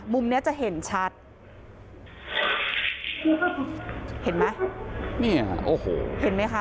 มุมเนี้ยจะเห็นชัดเห็นไหมนี่ค่ะโอ้โหเห็นไหมคะ